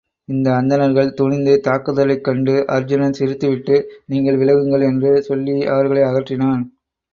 இந்த அந்தணர்கள் துணிந்து தாக்குதலைக் கண்டு அருச்சுனன் சிரித்து விட்டு நீங்கள் விலகுங்கள் என்று சொல்லி அவர்களை அகற்றினான்.